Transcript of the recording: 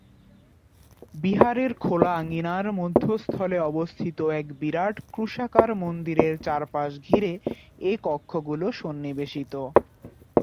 বিহারের খোলা আঙিনার মধ্যস্থলে অবস্থিত এক বিরাট ক্রুশাকার মন্দিরের চারপাশ ঘিরে এ কক্ষগুলি সন্নিবেশিত।